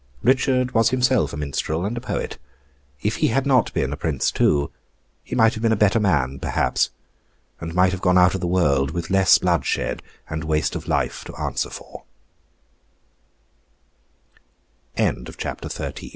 Richard was himself a Minstrel and a Poet. If he had not been a Prince too, he might have been a better man perhaps, and might have gone out of the world with less bloodshed and waste of life to